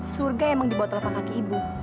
surga emang dibotol apa kaki ibu